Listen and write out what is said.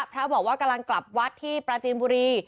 พระบอกว่ากำลังกลับวัดที่ปราจีนบุรี